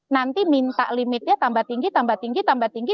nanti minta limitnya tambah tinggi tambah tinggi tambah tinggi